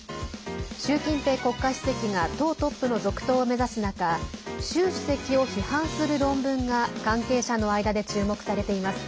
習近平国家主席が党トップの続投を目指す中習主席を批判する論文が関係者の間で注目されています。